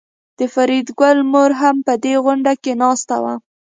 د فریدګل مور هم په دې غونډه کې ناسته وه